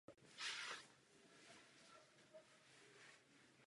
Toho musíme dosáhnout.